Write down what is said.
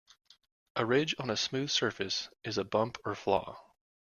A ridge on a smooth surface is a bump or flaw.